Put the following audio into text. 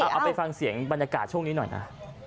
เอาไปฟังเสียงบรรยากาศช่วงนี้หน่อยนะ